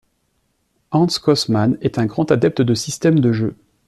Hans Kossmann est un grand adepte de système de jeu.